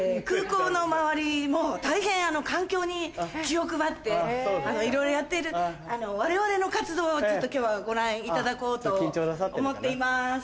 空港の周りも大変環境に気を配っていろいろやっている我々の活動をちょっと今日はご覧いただこうと思っています。